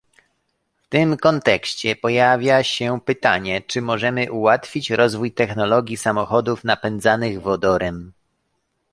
W tym kontekście pojawia się pytanie, czy możemy ułatwić rozwój technologii samochodów napędzanych wodorem